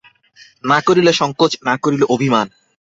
না করিল সংকোচ, না করিল অভিমান।